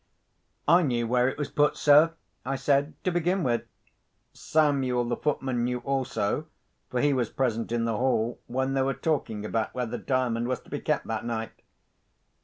"I knew where it was put, sir," I said, "to begin with. Samuel, the footman, knew also—for he was present in the hall, when they were talking about where the Diamond was to be kept that night.